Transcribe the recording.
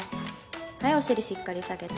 はいお尻しっかり下げて。